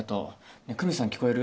ねえ久実さん聞こえる？